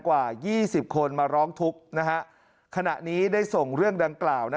กว่า๒๐คนมาร้องทุกข์ขณะนี้ได้ส่งเรื่องดังกล่าว